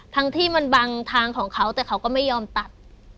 ทั้งที่มันบังทางของเขาแต่เขาก็ไม่ยอมตัด